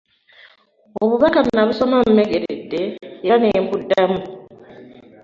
Obubaka nabusoma mmegeredde era ne mbuddamu.